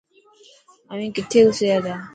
اوهين کٿي گسياتا؟